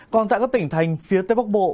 còn tại các tỉnh thành phía tây bắc bộ